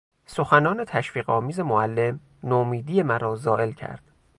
سخنان تشویق آمیز معلم نومیدی مرا زائل کرد.